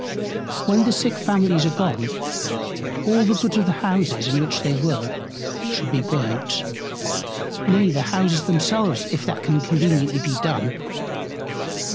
When the Sick Families are gone, all the Goods of the Houses, in which they were, should be burnt; nay the Houses themselves, if that can conveniently be done.